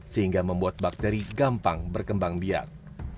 sehingga membuat bakteri gampang berkembang biak